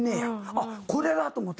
あっこれだ！と思って。